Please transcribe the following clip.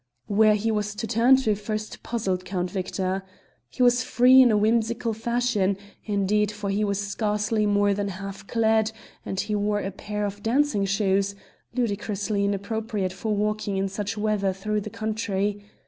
Where he was to turn to first puzzled Count Victor. He was free in a whimsical fashion, indeed, for he was scarcely more than half clad, and he wore a pair of dancing shoes, ludicrously inappropriate for walking in such weather through the country.